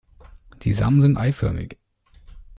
Die Samen sind eiförmig.